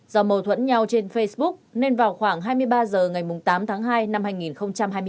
do mâu thuẫn nhau trên facebook nên vào khoảng hai mươi ba h ngày tám tháng hai năm hai nghìn hai mươi bốn